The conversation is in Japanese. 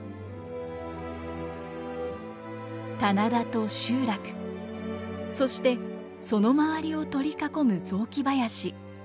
棚田と集落そしてその周りを取り囲む雑木林。